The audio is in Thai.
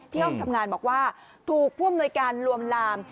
ที่ห้องทำงานบอกว่าถูกพ่วงโนยการรวมลาม